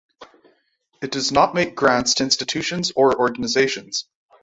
It does not make grants to institutions or organizations.